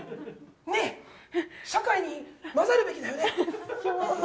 社会に混ざるべきだよね。